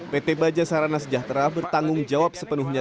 pt bajasarana sejahtera bertanggung jawab sepenuhnya